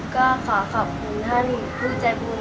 ก็ขอขอบคุณท่านผู้ใจบุญ